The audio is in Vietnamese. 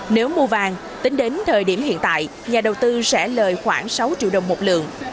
nếu mua vàng tính đến thời điểm hiện tại nhà đầu tư sẽ lời khoảng sáu triệu đồng một lượng